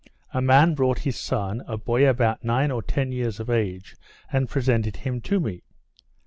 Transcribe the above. A man brought his son, a boy about nine or ten years of age, and presented him to me.